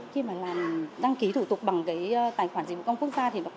khi mà làm đăng ký thủ tục bằng cái tài khoản dịch vụ công quốc gia thì